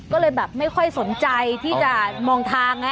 ก็เลยแบบไม่ค่อยสนใจที่จะมองทาง